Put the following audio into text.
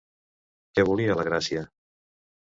Què volia la Gràcia?